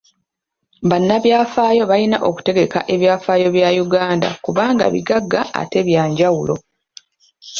Bannabyafaayo balina okutegeka ebyafaayo bya Uganda kubanga bigagga ate bya njawulo.